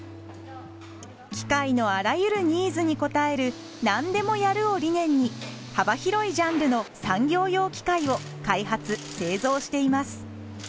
機械のあらゆるニーズに応える「なんでもやる」を理念に幅広いジャンルの産業用機械を開発・製造しています。